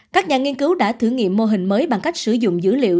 các nhà nghiên cứu đã thử nghiệm mô hình mới bằng cách sử dụng dữ liệu